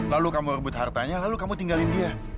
lalu kamu rebut hartanya lalu kamu tinggalin dia